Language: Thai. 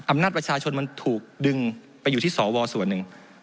อำนาจประชาชนมันถูกดึงไปอยู่ที่สวส่วนหนึ่ง